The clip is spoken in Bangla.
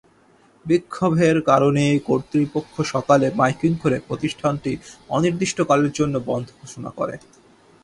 বিক্ষোভের কারণে কর্তৃপক্ষ সকালে মাইকিং করে প্রতিষ্ঠানটি অনির্দিষ্টকালের জন্য বন্ধ ঘোষণা করে।